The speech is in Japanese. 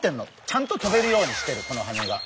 ちゃんと飛べるようにしてるこのはねが。